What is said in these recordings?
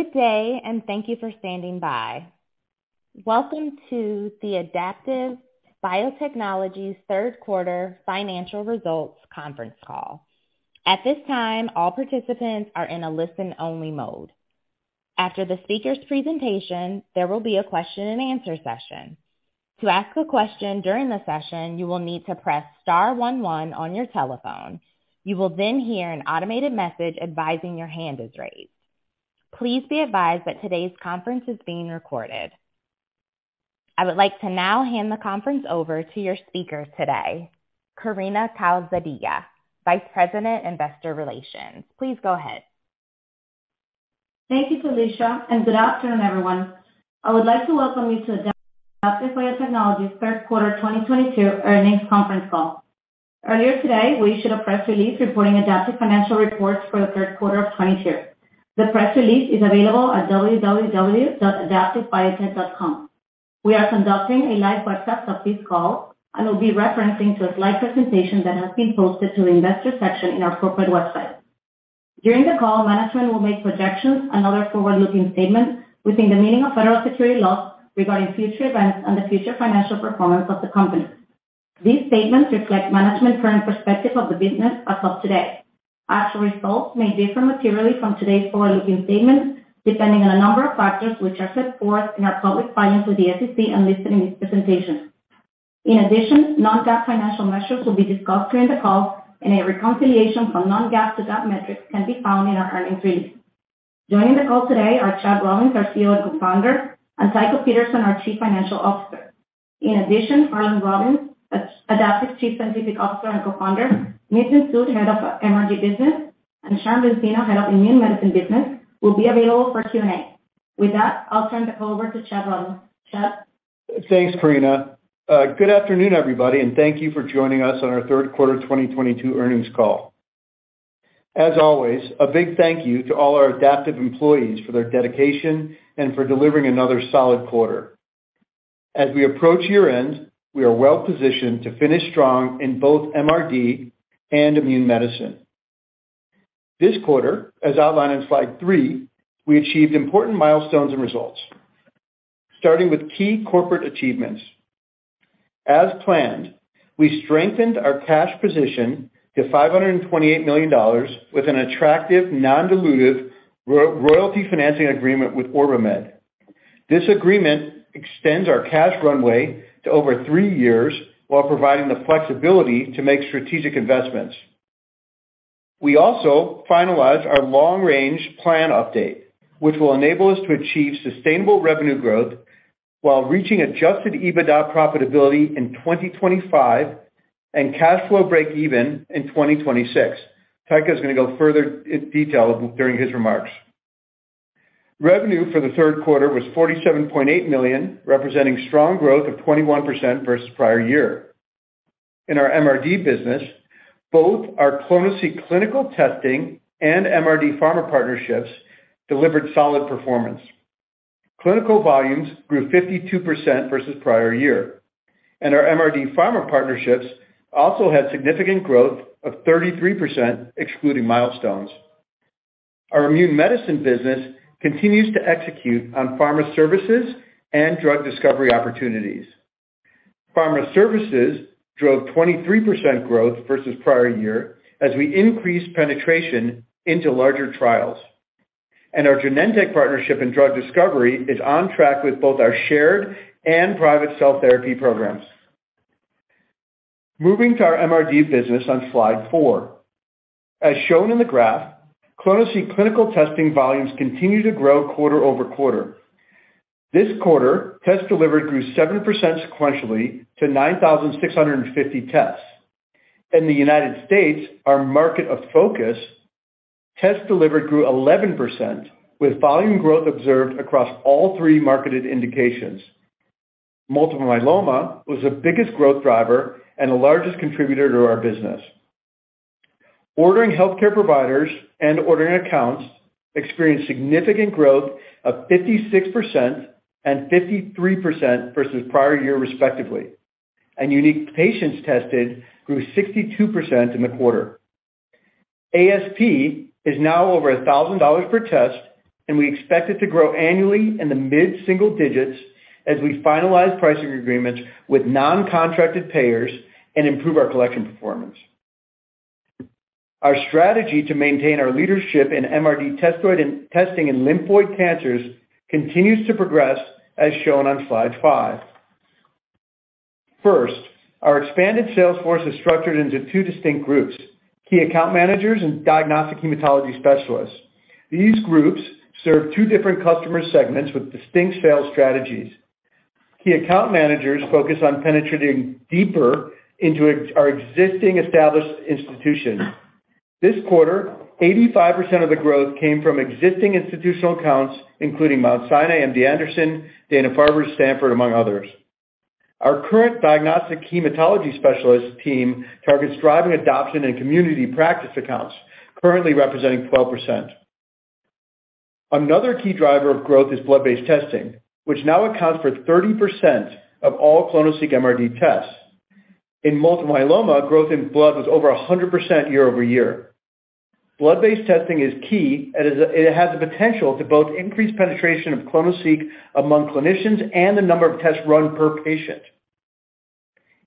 Good day, and thank you for standing by. Welcome to the Adaptive Biotechnologies third quarter financial results conference call. At this time, all participants are in a listen-only mode. After the speaker's presentation, there will be a question-and-answer session. To ask a question during the session, you will need to press star one one on your telephone. You will then hear an automated message advising your hand is raised. Please be advised that today's conference is being recorded. I would like to now hand the conference over to your speaker today, Karina Calzadilla, Vice President, Investor Relations. Please go ahead. Thank you, Felicia, and good afternoon, everyone. I would like to welcome you to Adaptive Biotechnologies third quarter 2022 earnings conference call. Earlier today, we issued a press release reporting Adaptive's financial results for the third quarter of 2022. The press release is available at www.adaptivebiotech.com. We are conducting a live podcast of this call and will be referencing a slide presentation that has been posted to the investor section in our corporate website. During the call, management will make projections and other forward-looking statements within the meaning of federal securities laws regarding future events and the future financial performance of the company. These statements reflect management's current perspective of the business as of today. Actual results may differ materially from today's forward-looking statements depending on a number of factors which are set forth in our public filings with the SEC and listed in this presentation. In addition, non-GAAP financial measures will be discussed during the call, and a reconciliation from non-GAAP to GAAP metrics can be found in our earnings release. Joining the call today are Chad Robins, our CEO and Co-founder, and Tycho Peterson, our Chief Financial Officer. In addition, Harlan Robins, Adaptive's Chief Scientific Officer and Co-founder, Nitin Sood, Head of MRD business, and Sharon Benzeno, Head of Immune Medicine business, will be available for Q&A. With that, I'll turn the call over to Chad Robins. Chad? Thanks, Karina. Good afternoon, everybody, and thank you for joining us on our third quarter 2022 earnings call. As always, a big thank you to all our Adaptive employees for their dedication and for delivering another solid quarter. As we approach year-end, we are well-positioned to finish strong in both MRD and Immune Medicine. This quarter, as outlined in slide 3, we achieved important milestones and results, starting with key corporate achievements. As planned, we strengthened our cash position to $528 million with an attractive non-dilutive royalty financing agreement with OrbiMed. This agreement extends our cash runway to over three years while providing the flexibility to make strategic investments. We also finalized our long-range plan update, which will enable us to achieve sustainable revenue growth while reaching adjusted EBITDA profitability in 2025 and cash flow break even in 2026. Tycho is gonna go further in detail during his remarks. Revenue for the third quarter was $47.8 million, representing strong growth of 21% versus prior year. In our MRD business, both our clonoSEQ clinical testing and MRD pharma partnerships delivered solid performance. Clinical volumes grew 52% versus prior year, and our MRD pharma partnerships also had significant growth of 33% excluding milestones. Our Immune Medicine business continues to execute on pharma services and drug discovery opportunities. Pharma services drove 23% growth versus prior year as we increased penetration into larger trials. Our Genentech partnership in drug discovery is on track with both our shared and private cell therapy programs. Moving to our MRD business on slide four. As shown in the graph, clonoSEQ clinical testing volumes continue to grow quarter-over-quarter. This quarter, tests delivered grew 7% sequentially to 9,650 tests. In the United States, our market of focus, tests delivered grew 11% with volume growth observed across all three marketed indications. Multiple myeloma was the biggest growth driver and the largest contributor to our business. Ordering healthcare providers and ordering accounts experienced significant growth of 56% and 53% versus prior year respectively, and unique patients tested grew 62% in the quarter. ASP is now over $1,000 per test, and we expect it to grow annually in the mid-single digits as we finalize pricing agreements with non-contracted payers and improve our collection performance. Our strategy to maintain our leadership in MRD testing in lymphoid cancers continues to progress as shown on slide five. First, our expanded sales force is structured into two distinct groups, key account managers and diagnostic hematology specialists. These groups serve two different customer segments with distinct sales strategies. Key account managers focus on penetrating deeper into our existing established institutions. This quarter, 85% of the growth came from existing institutional accounts, including Mount Sinai, MD Anderson, Dana-Farber, Stanford, among others. Our current diagnostic hematology specialist team targets driving adoption and community practice accounts, currently representing 12%. Another key driver of growth is blood-based testing, which now accounts for 30% of all clonoSEQ MRD tests. In multiple myeloma, growth in blood was over 100% year-over-year. Blood-based testing is key, and it has the potential to both increase penetration of clonoSEQ among clinicians and the number of tests run per patient.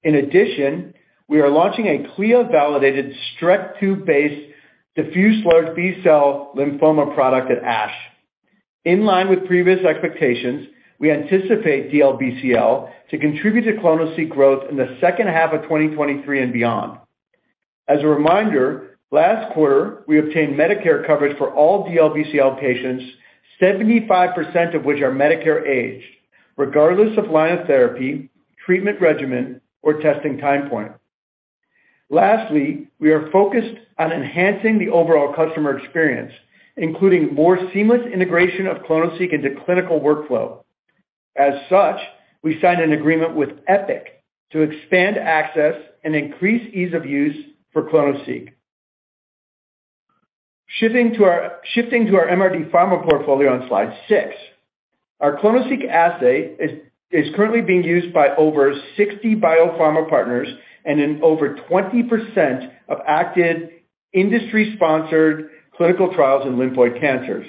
In addition, we are launching a CLIA-validated Streck tube-based diffuse large B-cell lymphoma product at ASH. In line with previous expectations, we anticipate DLBCL to contribute to clonoSEQ growth in the second half of 2023 and beyond. As a reminder, last quarter, we obtained Medicare coverage for all DLBCL patients, 75% of which are Medicare-aged, regardless of line of therapy, treatment regimen, or testing time point. Lastly, we are focused on enhancing the overall customer experience, including more seamless integration of clonoSEQ into clinical workflow. As such, we signed an agreement with Epic to expand access and increase ease of use for clonoSEQ. Shifting to our MRD pharma portfolio on slide six. Our clonoSEQ assay is currently being used by over 60 biopharma partners and in over 20% of active industry-sponsored clinical trials in lymphoid cancers.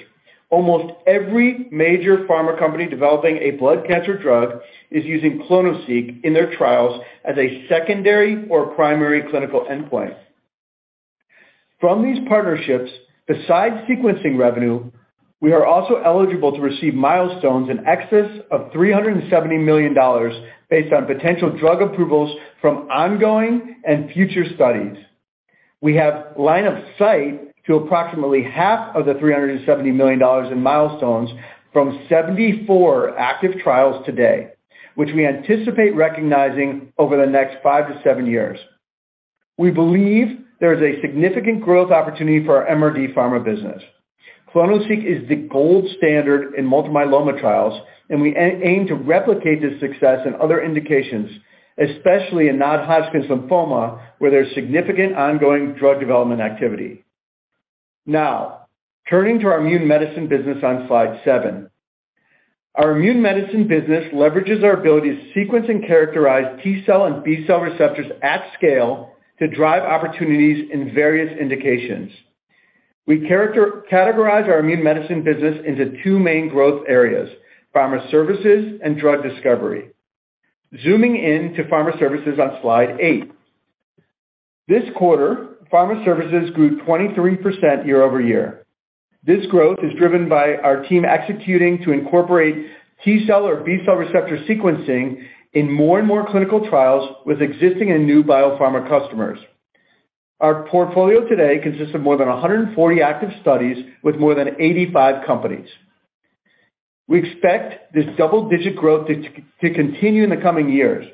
Almost every major pharma company developing a blood cancer drug is using clonoSEQ in their trials as a secondary or primary clinical endpoint. From these partnerships, besides sequencing revenue, we are also eligible to receive milestones in excess of $370 million based on potential drug approvals from ongoing and future studies. We have line of sight to approximately half of the $370 million in milestones from 74 active trials today, which we anticipate recognizing over the next five to seven years. We believe there is a significant growth opportunity for our MRD pharma business. clonoSEQ is the gold standard in multiple myeloma trials, and we aim to replicate this success in other indications, especially in non-Hodgkin's lymphoma, where there's significant ongoing drug development activity. Now, turning to our Immune Medicine business on slide seven. Our Immune Medicine business leverages our ability to sequence and characterize T-cell and B-cell receptors at scale to drive opportunities in various indications. We categorize our Immune Medicine business into two main growth areas, pharma services and drug discovery. Zooming in to pharma services on slide eight. This quarter, pharma services grew 23% year-over-year. This growth is driven by our team executing to incorporate T-cell or B-cell receptor sequencing in more and more clinical trials with existing and new biopharma customers. Our portfolio today consists of more than 140 active studies with more than 85 companies. We expect this double-digit growth to continue in the coming years.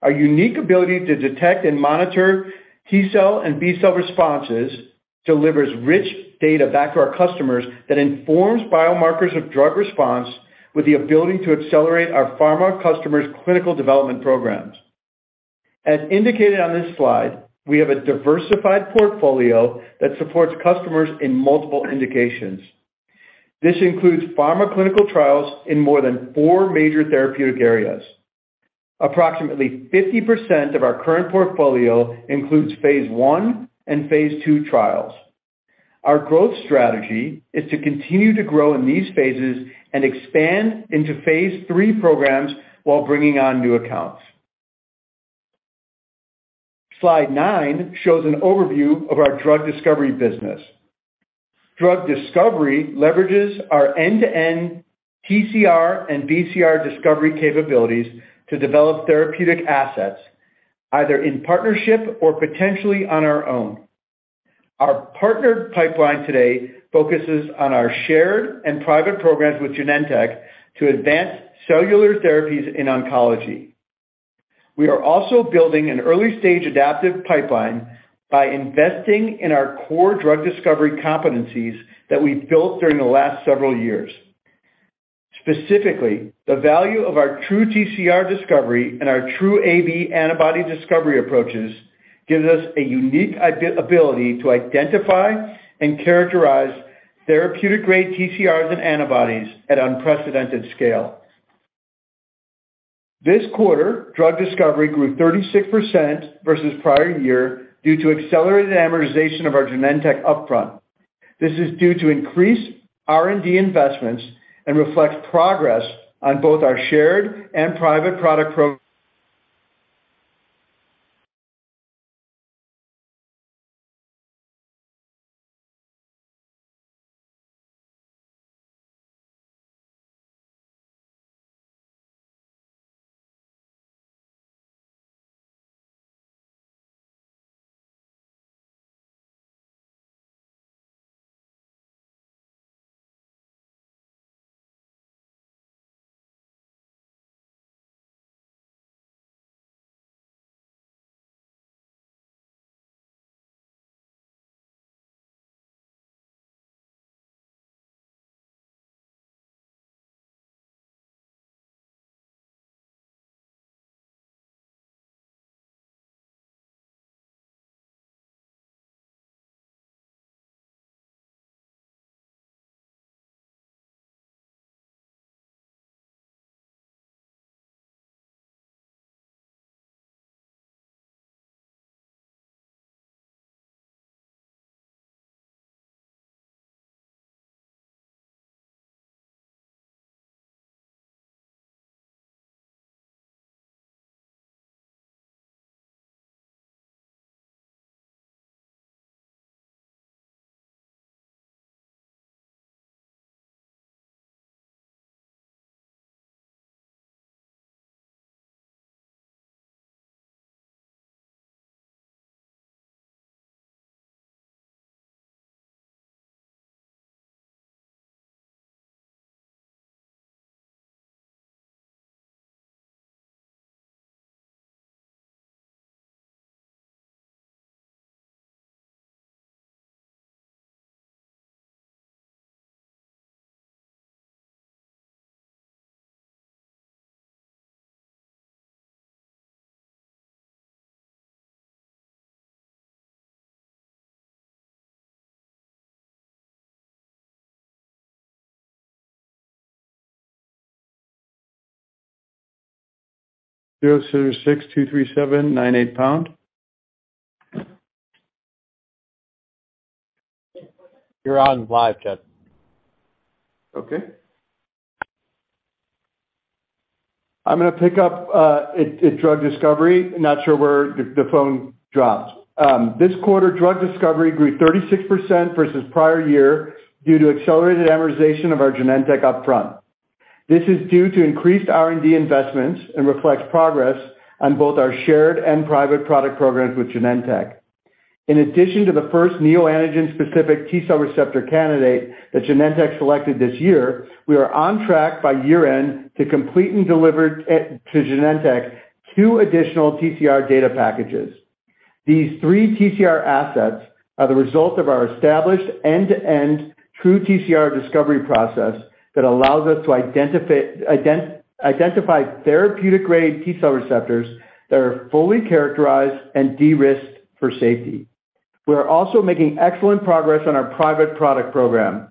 Our unique ability to detect and monitor T-cell and B-cell responses delivers rich data back to our customers that informs biomarkers of drug response with the ability to accelerate our pharma customers' clinical development programs. As indicated on this slide, we have a diversified portfolio that supports customers in multiple indications. This includes pharma clinical trials in more than 4 major therapeutic areas. Approximately 50% of our current portfolio includes phase one and phase two trials. Our growth strategy is to continue to grow in these phases and expand into phase three programs while bringing on new accounts. Slide 9 shows an overview of our drug discovery business. Drug discovery leverages our end-to-end TCR and BCR discovery capabilities to develop therapeutic assets, either in partnership or potentially on our own. Our partnered pipeline today focuses on our shared and private programs with Genentech to advance cellular therapies in oncology. We are also building an early-stage adaptive pipeline by investing in our core drug discovery competencies that we've built during the last several years. Specifically, the value of our TruTCR discovery and our TrueAb antibody discovery approaches gives us a unique ability to identify and characterize therapeutic-grade TCRs and antibodies at unprecedented scale. This quarter, drug discovery grew 36% versus prior year due to accelerated amortization of our Genentech upfront. This is due to increased R&D investments and reflects progress on both our shared and private product zero, six, two, three, seven, nine, eight pound. You're live, Chad. I'm gonna pick up at drug discovery. Not sure where the phone dropped. This quarter, drug discovery grew 36% versus prior year due to accelerated amortization of our Genentech upfront. This is due to increased R&D investments and reflects progress on both our shared and private product programs with Genentech. In addition to the first neoantigen specific T-cell receptor candidate that Genentech selected this year, we are on track by year-end to complete and deliver to Genentech two additional TCR data packages. These three TCR assets are the result of our established end-to-end true TCR discovery process that allows us to identify therapeutic grade T-cell receptors that are fully characterized and de-risked for safety. We are also making excellent progress on our private product program.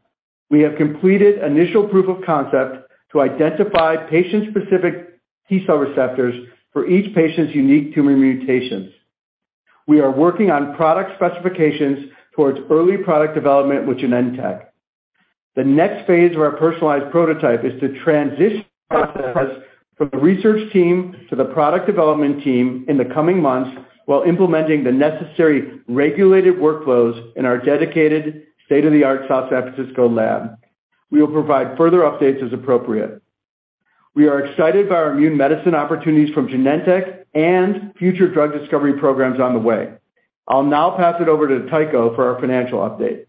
We have completed initial proof of concept to identify patient-specific T-cell receptors for each patient's unique tumor mutations. We are working on product specifications towards early product development with Genentech. The next phase of our personalized prototype is to transition process from the research team to the product development team in the coming months, while implementing the necessary regulated workflows in our dedicated state-of-the-art San Francisco lab. We will provide further updates as appropriate. We are excited by our Immune Medicine opportunities from Genentech and future drug discovery programs on the way. I'll now pass it over to Tycho for our financial update.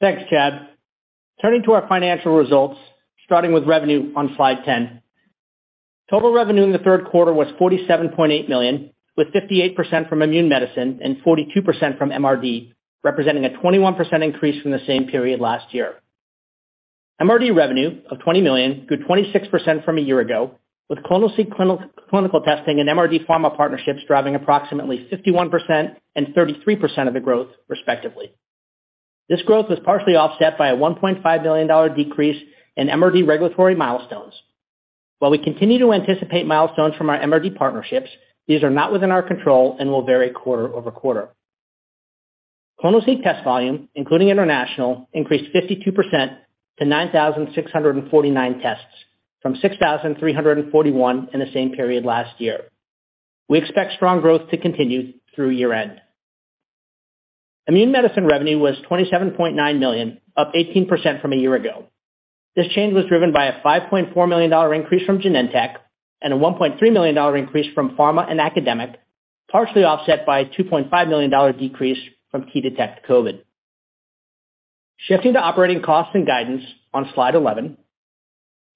Thanks, Chad. Turning to our financial results, starting with revenue on slide 10. Total revenue in the third quarter was $47.8 million, with 58% from immune medicine and 42% from MRD, representing a 21% increase from the same period last year. MRD revenue of $20 million grew 26% from a year ago, with clonoSEQ clinical testing and MRD pharma partnerships driving approximately 51% and 33% of the growth, respectively. This growth was partially offset by a $1.5 billion decrease in MRD regulatory milestones. While we continue to anticipate milestones from our MRD partnerships, these are not within our control and will vary quarter-over-quarter. clonoSEQ test volume, including international, increased 52% to 9,649 tests from 6,341 in the same period last year. We expect strong growth to continue through year-end. Immune Medicine revenue was $27.9 million, up 18% from a year ago. This change was driven by a $5.4 million increase from Genentech and a $1.3 million increase from pharma and academic, partially offset by a $2.5 million decrease from T-Detect COVID. Shifting to operating costs and guidance on slide 11.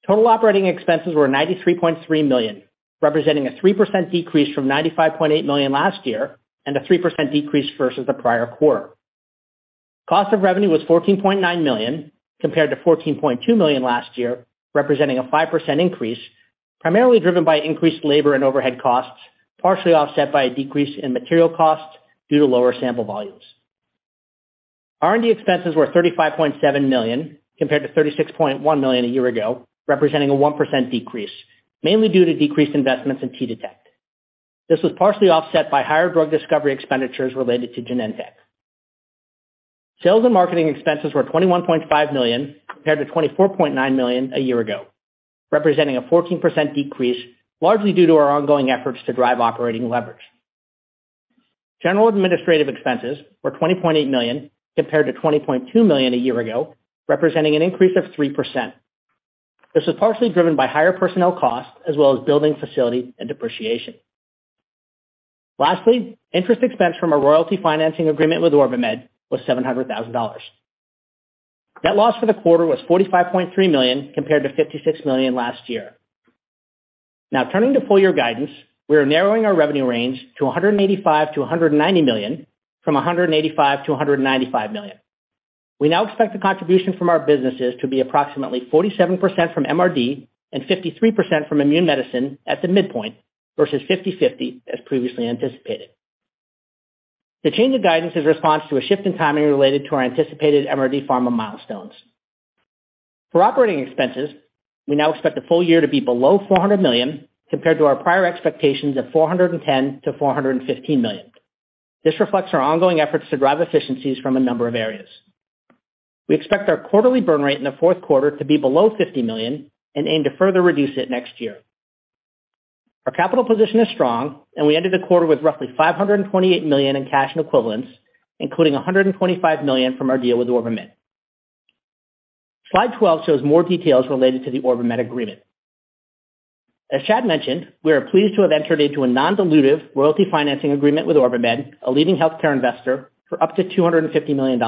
Total operating expenses were $93.3 million, representing a 3% decrease from $95.8 million last year and a 3% decrease versus the prior quarter. Cost of revenue was $14.9 million compared to $14.2 million last year, representing a 5% increase, primarily driven by increased labor and overhead costs, partially offset by a decrease in material costs due to lower sample volumes. R&D expenses were $35.7 million compared to $36.1 million a year ago, representing a 1% decrease, mainly due to decreased investments in T-Detect. This was partially offset by higher drug discovery expenditures related to Genentech. Sales and marketing expenses were $21.5 million compared to $24.9 million a year ago, representing a 14% decrease, largely due to our ongoing efforts to drive operating leverage. General administrative expenses were $20.8 million compared to $20.2 million a year ago, representing an increase of 3%. This was partially driven by higher personnel costs as well as building facility and depreciation. Lastly, interest expense from a royalty financing agreement with OrbiMed was $700,000. Net loss for the quarter was $45.3 million compared to $56 million last year. Now, turning to full year guidance, we are narrowing our revenue range to $185 million-$190 million from $185 million-$195 million. We now expect the contribution from our businesses to be approximately 47% from MRD and 53% from Immune Medicine at the midpoint versus 50/50 as previously anticipated. The change of guidance is a response to a shift in timing related to our anticipated MRD pharma milestones. For operating expenses, we now expect the full year to be below $400 million compared to our prior expectations of $410 million-$415 million. This reflects our ongoing efforts to drive efficiencies from a number of areas. We expect our quarterly burn rate in the fourth quarter to be below $50 million and aim to further reduce it next year. Our capital position is strong and we ended the quarter with roughly $528 million in cash and equivalents, including $125 million from our deal with OrbiMed. Slide 12 shows more details related to the OrbiMed agreement. As Chad mentioned, we are pleased to have entered into a non-dilutive royalty financing agreement with OrbiMed, a leading healthcare investor, for up to $250 million.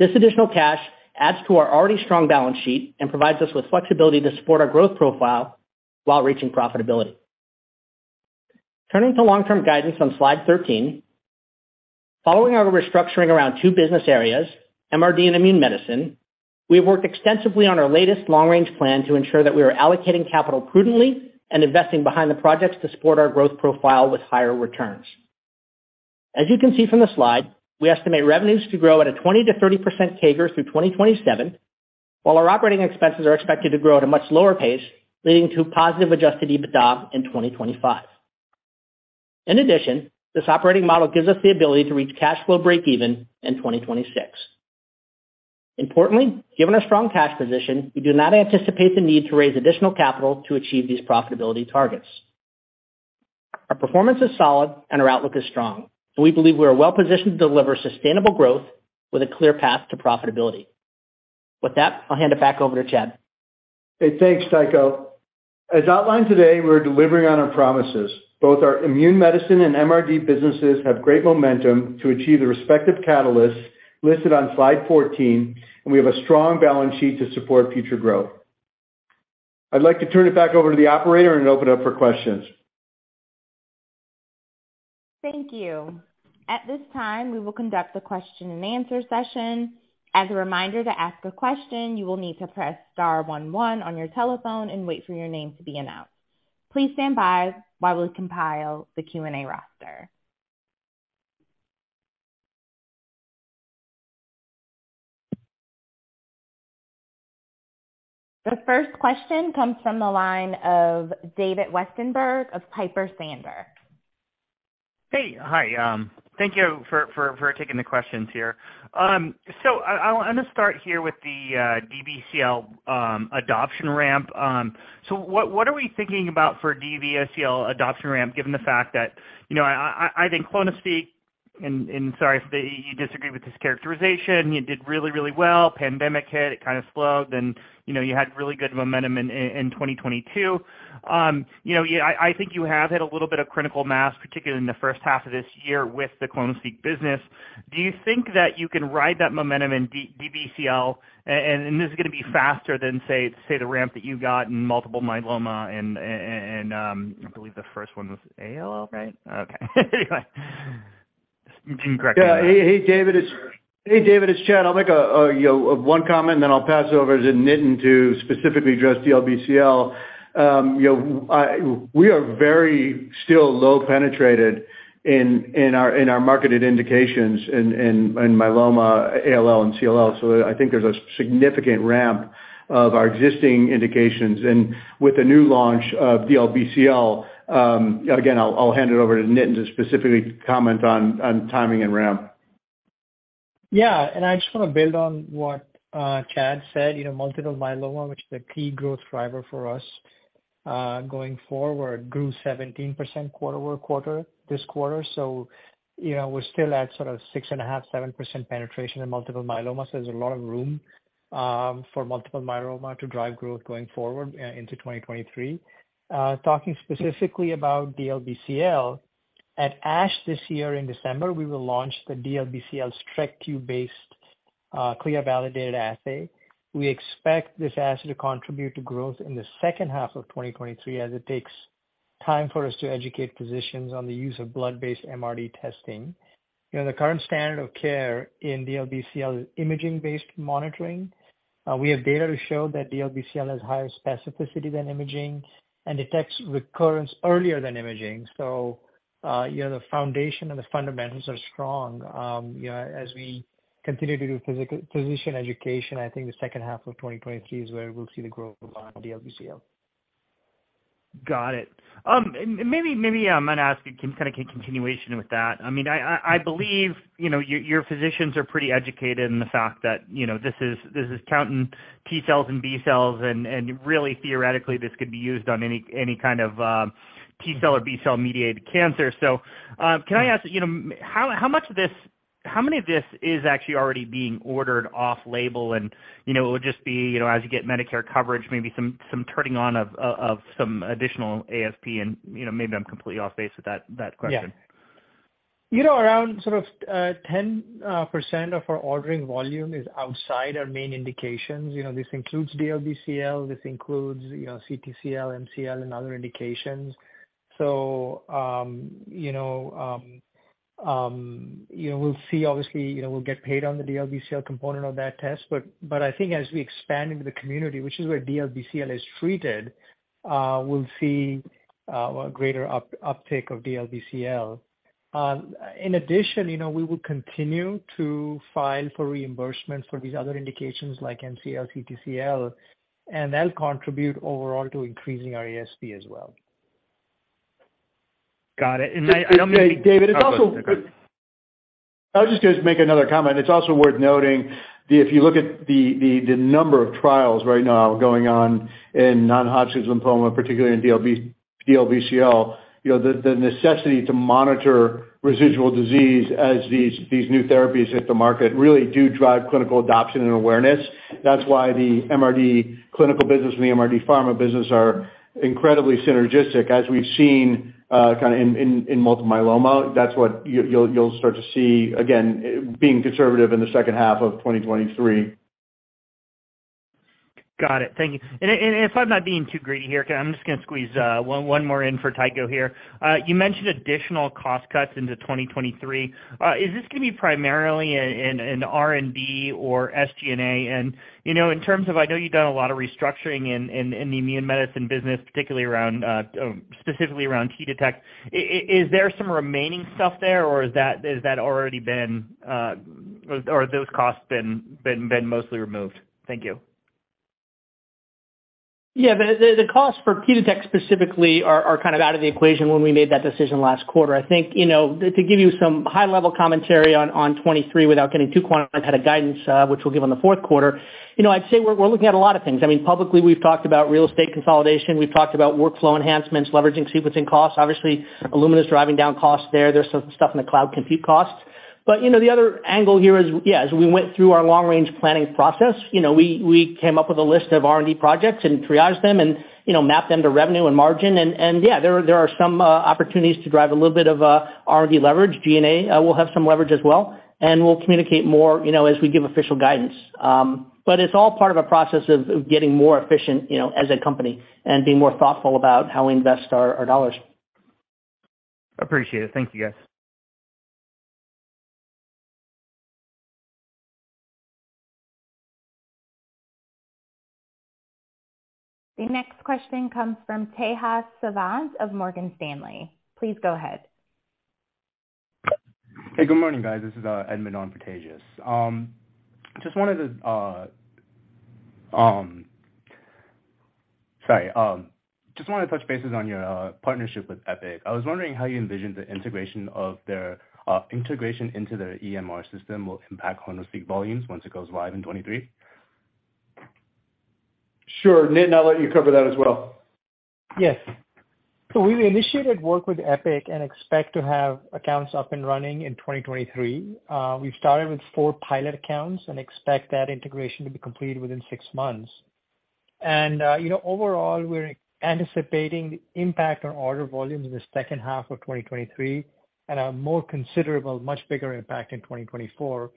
This additional cash adds to our already strong balance sheet and provides us with flexibility to support our growth profile while reaching profitability. Turning to long-term guidance on slide 13. Following our restructuring around two business areas, MRD and Immune Medicine, we have worked extensively on our latest long-range plan to ensure that we are allocating capital prudently and investing behind the projects to support our growth profile with higher returns. As you can see from the slide, we estimate revenues to grow at a 20%-30% CAGR through 2027, while our operating expenses are expected to grow at a much lower pace, leading to positive adjusted EBITDA in 2025. In addition, this operating model gives us the ability to reach cash flow breakeven in 2026. Importantly, given our strong cash position, we do not anticipate the need to raise additional capital to achieve these profitability targets. Our performance is solid and our outlook is strong, and we believe we are well positioned to deliver sustainable growth with a clear path to profitability. With that, I'll hand it back over to Chad. Hey, thanks, Tycho. As outlined today, we're delivering on our promises. Both our Immune Medicine and MRD businesses have great momentum to achieve the respective catalysts listed on slide 14, and we have a strong balance sheet to support future growth. I'd like to turn it back over to the operator and open up for questions. Thank you. At this time, we will conduct a question-and-answer session. As a reminder, to ask a question, you will need to press star one one on your telephone and wait for your name to be announced. Please stand by while we compile the Q&A roster. The first question comes from the line of David Westenberg of Piper Sandler. Hey. Hi, thank you for taking the questions here. I wanna start here with the DLBCL adoption ramp. What are we thinking about for DLBCL adoption ramp, given the fact that, you know, I think clonoSEQ, and sorry if you disagree with this characterization, you did really well. Pandemic hit, it kinda slowed and, you know, you had really good momentum in 2022. You know, yeah, I think you have hit a little bit of critical mass, particularly in the first half of this year with the clonoSEQ business. Do you think that you can ride that momentum in DLBCL and this is gonna be faster than, say, the ramp that you got in multiple myeloma and I believe the first one was ALL, right? Okay. Anyway. You can correct me on that. Hey, David, it's Chad. I'll make one comment, and then I'll pass it over to Nitin to specifically address DLBCL. You know, we are still very low penetration in our marketed indications in myeloma, ALL and CLL. So I think there's a significant ramp of our existing indications. With the new launch of DLBCL, again, I'll hand it over to Nitin to specifically comment on timing and ramp. Yeah. I just wanna build on what Chad said. You know, multiple myeloma, which is a key growth driver for us, going forward, grew 17% quarter-over-quarter this quarter. You know, we're still at sort of 6.5%-7% penetration in multiple myeloma, so there's a lot of room for multiple myeloma to drive growth going forward into 2023. Talking specifically about DLBCL, at ASH this year in December, we will launch the DLBCL Streck-based CLIA-validated assay. We expect this assay to contribute to growth in the second half of 2023, as it takes time for us to educate physicians on the use of blood-based MRD testing. You know, the current standard of care in DLBCL is imaging-based monitoring. We have data to show that DLBCL has higher specificity than imaging and detects recurrence earlier than imaging. You know, the foundation and the fundamentals are strong. You know, as we continue to do physician education, I think the second half of 2023 is where we'll see the growth on DLBCL. Got it. Maybe I'm gonna ask you kinda in continuation with that. I mean, I believe, you know, your physicians are pretty educated in the fact that, you know, this is counting T cells and B cells and really theoretically, this could be used on any kind of T-cell or B-cell mediated cancer. Can I ask, you know, how many of this is actually already being ordered off-label and, you know, it would just be, you know, as you get Medicare coverage, maybe some turning on of some additional ASP and, you know, maybe I'm completely off base with that question. Yeah. You know, around sort of, 10% of our ordering volume is outside our main indications. You know, this includes DLBCL, this includes, you know, CTCL, MCL and other indications. We'll see, obviously, you know, we'll get paid on the DLBCL component of that test, but I think as we expand into the community, which is where DLBCL is treated, we'll see a greater uptake of DLBCL. In addition, you know, we will continue to file for reimbursements for these other indications like MCL, CTCL, and that'll contribute overall to increasing our ASP as well. Got it. I don't mean. David, it's also. Okay. I was just gonna make another comment. It's also worth noting if you look at the number of trials right now going on in non-Hodgkin's lymphoma, particularly in DLBCL, you know, the necessity to monitor residual disease as these new therapies hit the market really do drive clinical adoption and awareness. That's why the MRD clinical business and the MRD pharma business are incredibly synergistic, as we've seen, kinda in multiple myeloma. That's what you'll start to see, again, being conservative in the second half of 2023. Got it. Thank you. If I'm not being too greedy here, because I'm just gonna squeeze one more in for Tycho here. You mentioned additional cost cuts into 2023. Is this gonna be primarily in R&D or SG&A? You know, in terms of I know you've done a lot of restructuring in the Immune Medicine business, particularly around specifically around T-Detect. Is there some remaining stuff there, or is that already been, or are those costs been mostly removed? Thank you. Yeah. The costs for T-Detect specifically are kind of out of the equation when we made that decision last quarter. I think, you know, to give you some high level commentary on 2023 without getting too quantitative ahead of guidance, which we'll give on the fourth quarter, you know, I'd say we're looking at a lot of things. I mean, publicly, we've talked about real estate consolidation. We've talked about workflow enhancements, leveraging sequencing costs. Obviously, Illumina's driving down costs there. There's some stuff in the cloud compute costs. You know, the other angle here is, yeah, as we went through our long range planning process, you know, we came up with a list of R&D projects and triaged them and, you know, mapped them to revenue and margin. Yeah, there are some opportunities to drive a little bit of R&D leverage. G&A will have some leverage as well, and we'll communicate more, you know, as we give official guidance. It's all part of a process of getting more efficient, you know, as a company and being more thoughtful about how we invest our dollars. Appreciate it. Thank you, guys. The next question comes from Tejas Savant of Morgan Stanley. Please go ahead. Hey, good morning, guys. This is Edmond on Tejas. Just wanted to touch base on your partnership with Epic. I was wondering how you envision the integration into their EMR system will impact clonoSEQ volumes once it goes live in 2023. Sure. Nitin, I'll let you cover that as well. Yes. We've initiated work with Epic and expect to have accounts up and running in 2023. We've started with four pilot accounts and expect that integration to be completed within six months. You know, overall, we're anticipating impact on order volumes in the second half of 2023 and a more considerable, much bigger impact in 2024.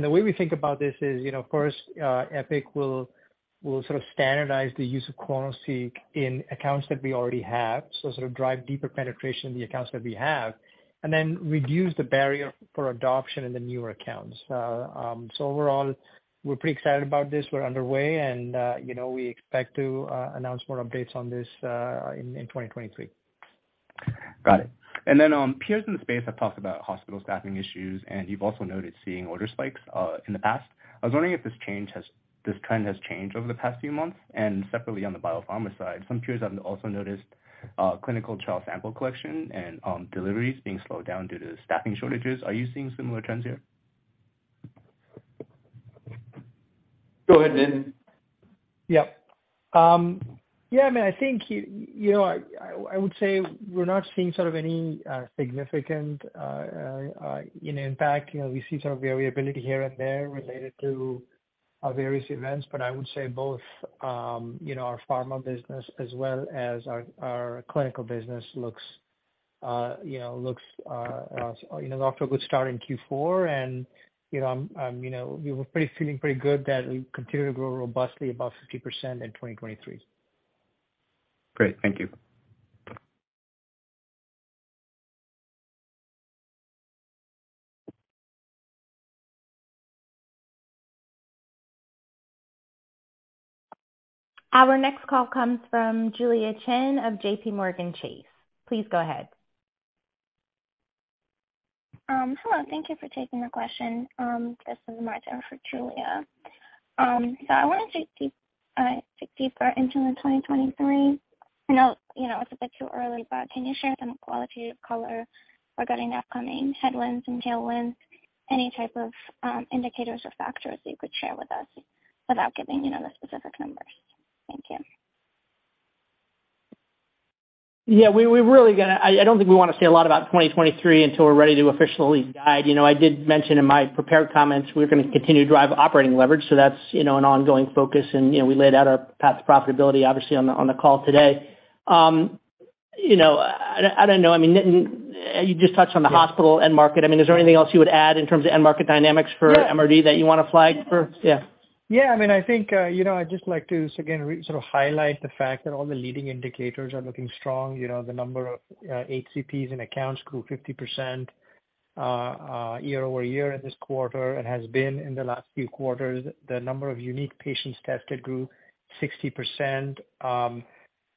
The way we think about this is, you know, first, Epic will sort of standardize the use of clonoSEQ in accounts that we already have, so sort of drive deeper penetration in the accounts that we have, and then reduce the barrier for adoption in the newer accounts. Overall, we're pretty excited about this. We're underway and you know, we expect to announce more updates on this in 2023. Got it. Then, peers in the space have talked about hospital staffing issues, and you've also noted seeing order spikes in the past. I was wondering if this trend has changed over the past few months. Separately on the biopharma side, some peers have also noticed clinical trial sample collection and deliveries being slowed down due to staffing shortages. Are you seeing similar trends here? Go ahead, Nitin. Yep. Yeah, I mean, I think you know, I would say we're not seeing sort of any significant you know, impact. You know, we see sort of variability here and there related to various events. But I would say both you know, our pharma business as well as our clinical business is off to a good start in Q4. You know, we were feeling pretty good that we continue to grow robustly above 50% in 2023. Great. Thank you. Our next call comes from Julia Chen of JPMorgan. Please go ahead. Hello. Thank you for taking the question. This is Martha for Julia. So I wanted to dig deeper into the 2023. I know, you know, it's a bit too early, but can you share some qualitative color regarding upcoming headwinds and tailwinds, any type of indicators or factors that you could share with us without giving, you know, the specific numbers? Thank you. Yeah. We're really gonna. I don't think we wanna say a lot about 2023 until we're ready to officially guide. You know, I did mention in my prepared comments we're gonna continue to drive operating leverage, so that's, you know, an ongoing focus. You know, we laid out our path to profitability, obviously, on the call today. You know, I don't know. I mean, Nitin, you just touched on the hospital end market. I mean, is there anything else you would add in terms of end market dynamics for MRD that you wanna flag for? Yeah. Yeah, I mean, I think, you know, I'd just like to, again, sort of highlight the fact that all the leading indicators are looking strong. You know, the number of HCPs and accounts grew 50%. Year-over-year in this quarter and has been in the last few quarters, the number of unique patients tested grew 60%.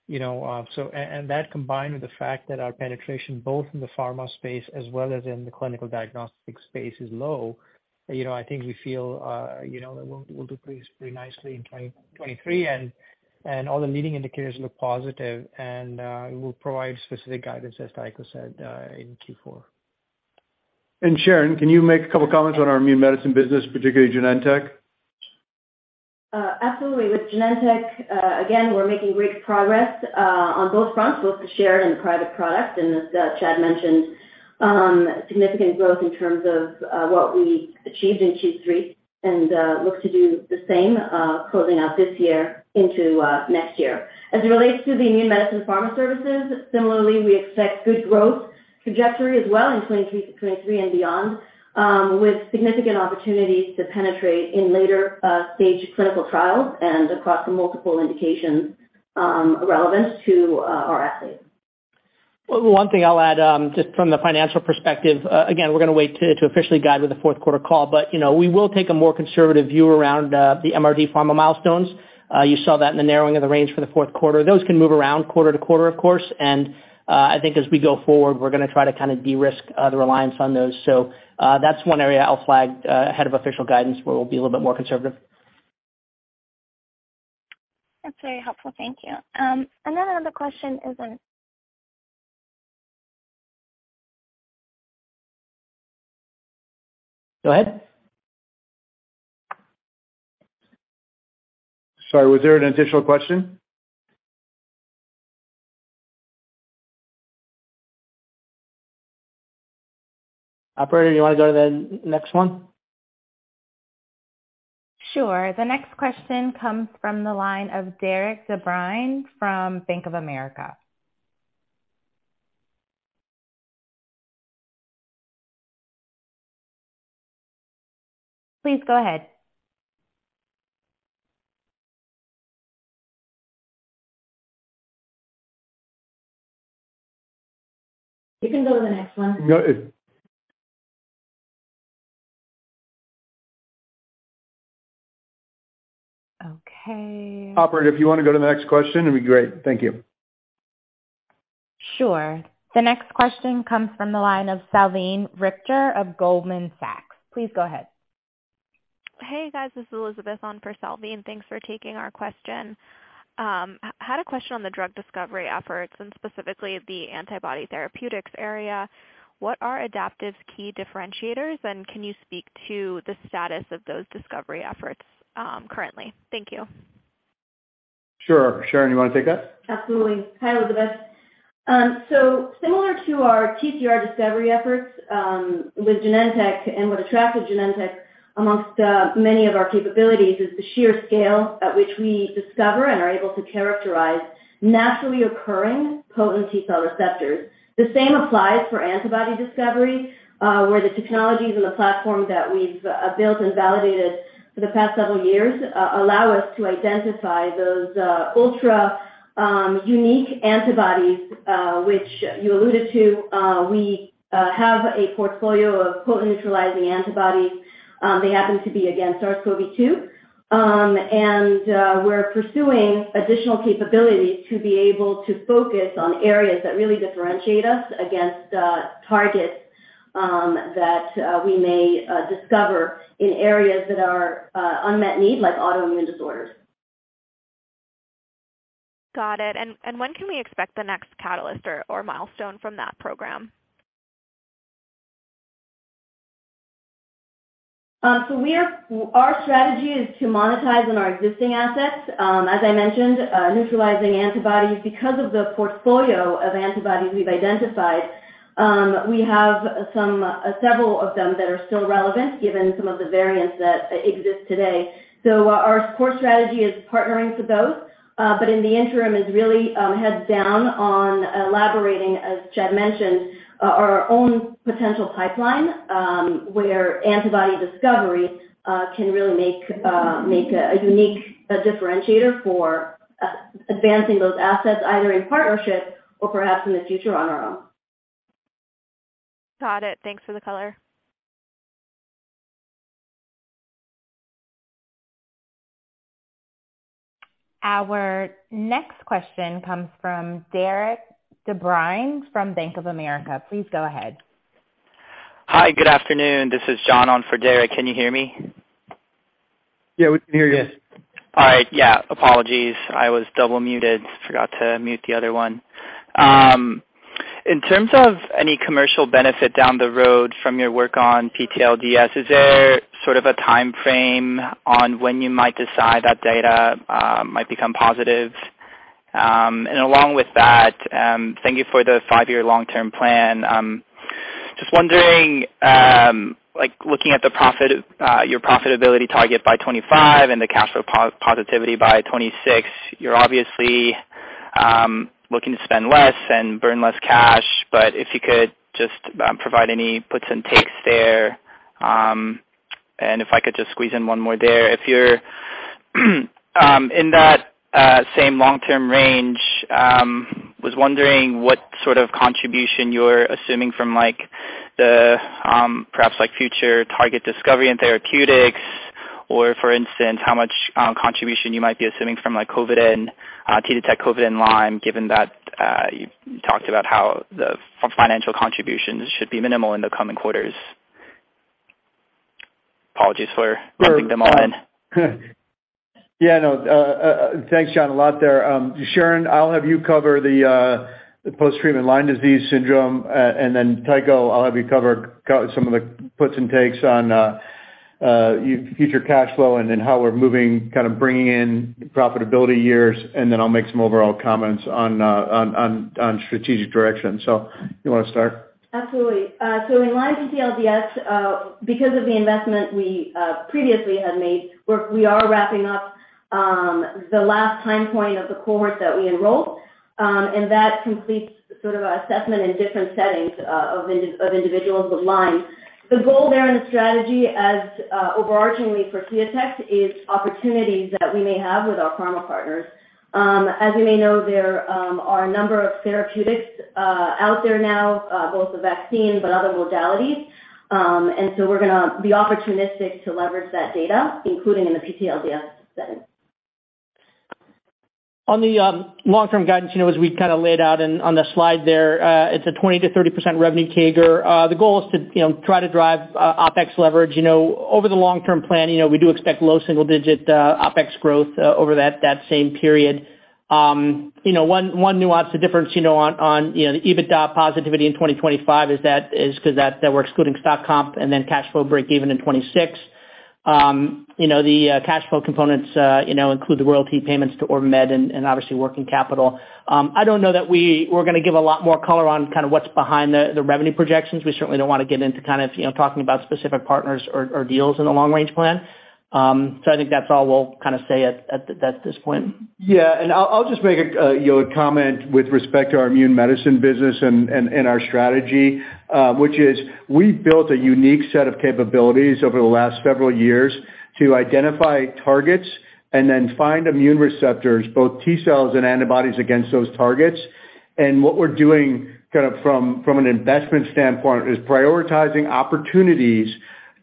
You know, that combined with the fact that our penetration, both in the pharma space as well as in the clinical diagnostic space, is low. You know, I think we feel, you know, we'll do pretty nicely in 2023, and all the leading indicators look positive, and we'll provide specific guidance, as Tycho said, in Q4. Sharon, can you make a couple comments on our Immune Medicine business, particularly Genentech? Absolutely. With Genentech, again, we're making great progress on both fronts, both the shared and private products. As Chad mentioned, significant growth in terms of what we achieved in Q3 and look to do the same, closing out this year into next year. As it relates to the Immune Medicine pharma services, similarly, we expect good growth trajectory as well in 2023-2024 and beyond, with significant opportunities to penetrate in later stage clinical trials and across the multiple indications relevant to our assay. One thing I'll add, just from the financial perspective, again, we're gonna wait to officially guide with the fourth quarter call, but you know, we will take a more conservative view around the MRD pharma milestones. You saw that in the narrowing of the range for the fourth quarter. Those can move around quarter to quarter, of course. I think as we go forward, we're gonna try to kinda de-risk the reliance on those. That's one area I'll flag ahead of official guidance where we'll be a little bit more conservative. That's very helpful. Thank you. Another question is in Go ahead. Sorry, was there an additional question? Operator, do you wanna go to the next one? Sure. The next question comes from the line of Derik De Bruin from Bank of America. Please go ahead. You can go to the next one. No, it. Okay. Operator, if you wanna go to the next question, it'd be great. Thank you. Sure. The next question comes from the line of Salveen Richter of Goldman Sachs. Please go ahead. Hey, guys, this is Elizabeth on for Salveen. Thanks for taking our question. Had a question on the drug discovery efforts and specifically the antibody therapeutics area. What are Adaptive's key differentiators, and can you speak to the status of those discovery efforts, currently? Thank you. Sure. Sharon, you wanna take that? Absolutely. Hi, Elizabeth. Similar to our TCR discovery efforts with Genentech and what attracted Genentech amongst many of our capabilities is the sheer scale at which we discover and are able to characterize naturally occurring potent T-cell receptors. The same applies for antibody discovery where the technologies and the platforms that we've built and validated for the past several years allow us to identify those ultra unique antibodies which you alluded to. We have a portfolio of potent neutralizing antibodies. They happen to be against SARS-CoV-2. We're pursuing additional capabilities to be able to focus on areas that really differentiate us against targets that we may discover in areas that are unmet need, like autoimmune disorders. Got it. When can we expect the next catalyst or milestone from that program? Our strategy is to monetize on our existing assets. As I mentioned, neutralizing antibodies. Because of the portfolio of antibodies we've identified, we have some, several of them that are still relevant given some of the variants that exist today. Our core strategy is partnering for those, but in the interim is really heads down on elaborating, as Chad mentioned, our own potential pipeline, where antibody discovery can really make a unique differentiator for advancing those assets either in partnership or perhaps in the future on our own. Got it. Thanks for the color. Our next question comes from Derik De Bruin from Bank of America. Please go ahead. Hi. Good afternoon. This is John on for Derik. Can you hear me? Yeah, we can hear you. All right. Yeah. Apologies. I was double muted. Forgot to mute the other one. In terms of any commercial benefit down the road from your work on PTLDS, is there sort of a timeframe on when you might decide that data might become positive? Along with that, thank you for the five-year long-term plan. Just wondering, like, looking at the profit, your profitability target by 2025 and the cash flow positivity by 2026, you're obviously looking to spend less and burn less cash, but if you could just provide any puts and takes there. If I could just squeeze in one more there. If you're in that same long-term range, was wondering what sort of contribution you're assuming from, like, the, perhaps, like, future target discovery and therapeutics or, for instance, how much contribution you might be assuming from, like, COVID and T-Detect COVID and Lyme, given that you talked about how the financial contributions should be minimal in the coming quarters. Apologies for lumping them all in. Yeah, no. Thanks, John, a lot there. Sharon, I'll have you cover the Post-Treatment Lyme Disease Syndrome. And then Tycho, I'll have you cover kind of some of the puts and takes on our future cash flow and then how we're moving, kind of bringing in profitability years, and then I'll make some overall comments on strategic direction. You wanna start? Absolutely. So in Lyme PTLDS, because of the investment we previously had made, we are wrapping up the last time point of the cohort that we enrolled, and that completes sort of assessment in different settings of individuals with Lyme. The goal there and the strategy as overarchingly for T-Detect is opportunities that we may have with our pharma partners. As you may know there are a number of therapeutics out there now, both the vaccine but other modalities. We're gonna be opportunistic to leverage that data, including in the PTLDS setting. On the long-term guidance, you know, as we kind of laid out on the slide there, it's a 20%-30% revenue CAGR. The goal is to, you know, try to drive OpEx leverage. You know, over the long-term plan, you know, we do expect low single digit OpEx growth over that same period. You know, one nuance, the difference, you know, on the EBITDA positivity in 2025 is that 'cause we're excluding stock comp and then cash flow breakeven in 2026. You know, the cash flow components, you know, include the royalty payments to OrbiMed and obviously working capital. I don't know that we're gonna give a lot more color on kinda what's behind the revenue projections. We certainly don't wanna get into kind of, you know, talking about specific partners or deals in the long range plan. I think that's all we'll kind of say at this point. Yeah. I'll just make a you know, a comment with respect to our Immune Medicine business and our strategy, which is we've built a unique set of capabilities over the last several years to identify targets and then find immune receptors, both T-cells and antibodies against those targets. What we're doing kind of from an investment standpoint is prioritizing opportunities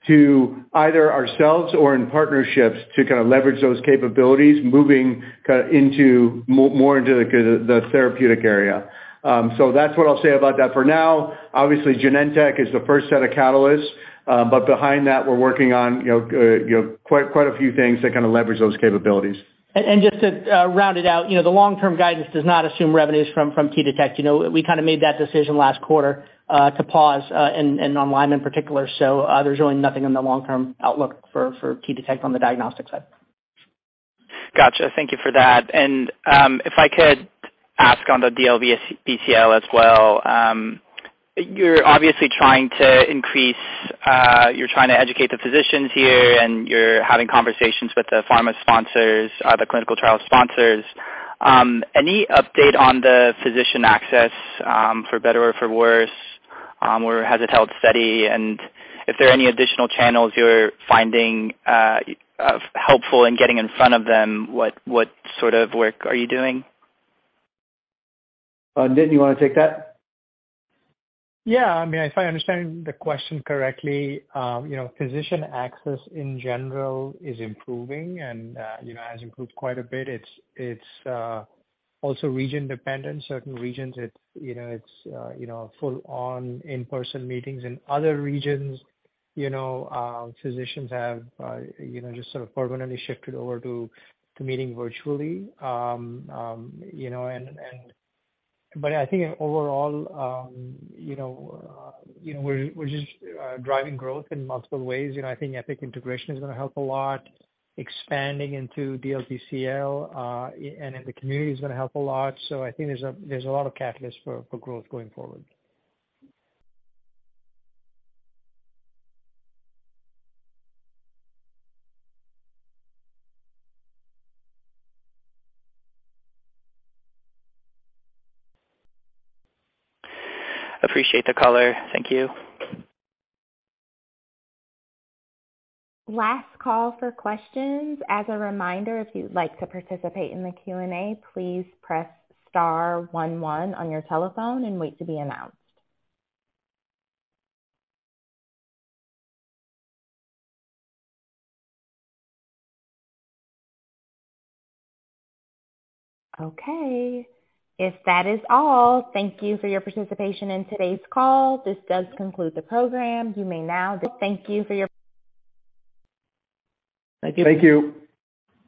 to either ourselves or in partnerships to kind of leverage those capabilities, moving kind of into more into the therapeutic area. That's what I'll say about that for now. Obviously, Genentech is the first set of catalysts, but behind that, we're working on you know, quite a few things to kind of leverage those capabilities. Just to round it out, you know, the long-term guidance does not assume revenues from T-Detect. You know, we kinda made that decision last quarter to pause and on Lyme in particular. There's really nothing in the long-term outlook for T-Detect on the diagnostic side. Gotcha. Thank you for that. If I could ask on the DLBCL as well. You're obviously trying to increase, you're trying to educate the physicians here, and you're having conversations with the pharma sponsors, the clinical trial sponsors. Any update on the physician access, for better or for worse, or has it held steady? If there are any additional channels you're finding helpful in getting in front of them, what sort of work are you doing? Nit, you wanna take that? Yeah. I mean, if I understand the question correctly, you know, physician access in general is improving and, you know, has improved quite a bit. It's also region dependent. Certain regions it's you know it's full on in-person meetings. In other regions, you know, physicians have you know just sort of permanently shifted over to meeting virtually. I think overall, you know, you know, we're just driving growth in multiple ways. You know, I think integration is gonna help a lot. Expanding into DLBCL and in the community is gonna help a lot. I think there's a lot of catalyst for growth going forward. Appreciate the color. Thank you. Last call for questions. As a reminder, if you'd like to participate in the Q&A, please press star one one on your telephone and wait to be announced. Okay. If that is all, thank you for your participation in today's call. This does conclude the program. You may now disconnect. Thank you.